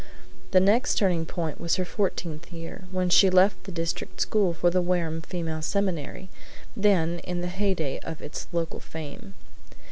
The next turning point was her fourteenth year, when she left the district school for the Wareham Female Seminary, then in the hey day of its local fame.